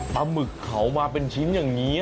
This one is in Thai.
หมึกเขามาเป็นชิ้นอย่างนี้